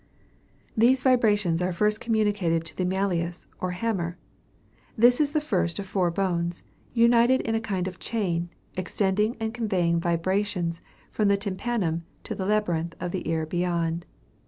These vibrations are first communicated to the malleus or hammer. This is the first of four bones, united in a kind of chain, extending and conveying vibrations from the tympanum to the labyrinth of the ear beyond.